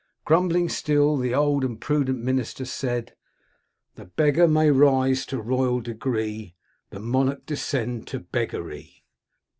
" Grumbling still, the old and prudent minister said —* The beggar may rise to royal degree, The monarch descend to beggary.'